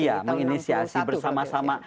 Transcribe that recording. iya menginisiasi bersama sama